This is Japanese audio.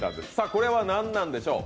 これは何なんでしょう？